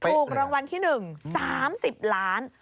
ถูกรางวัลที่๑๓๐ล้าน